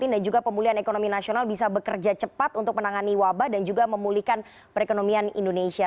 juga pemulihan ekonomi nasional bisa bekerja cepat untuk menangani wabah dan juga memulihkan perekonomian indonesia